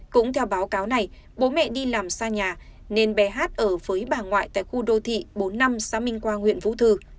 cũng theo báo cáo này bố mẹ đi làm xa nhà nên bé hát ở với bà ngoại tại khu đô thị bốn mươi năm xã minh quang huyện vũ thư